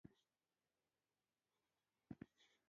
هر څوک د خپلو باورونو او ګومانونو پر اساس تلي.